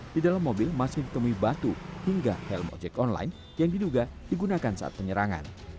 di dalam mobil masih ditemui batu hingga helm ojek online yang diduga digunakan saat penyerangan